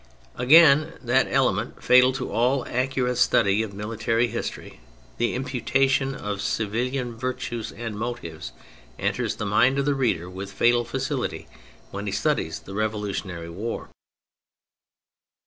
Again, that element fatal to all accurate study of military history, the imputation of civilian virtues and motives, enters the mind of the reader with fatal facility when he studies the revolutionary wars.